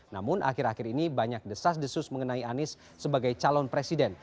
namun akhir akhir ini banyak desas desus mengenai anies sebagai calon presiden